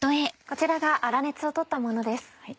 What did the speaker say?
こちらが粗熱を取ったものです。